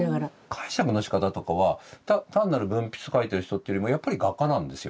解釈のしかたとかは単なる文筆書いてる人っていうよりもやっぱり画家なんですよ。